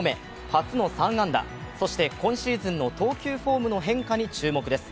初の３安打、そして今シーズンの投球フォームの変化に注目です。